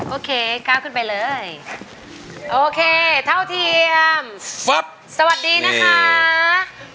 โอเคก้าวขึ้นไปเลยโอเคเท่าเทียมสวัสดีนะคะ